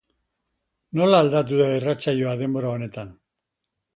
Nola aldatu da irratsaioa denbora honetan?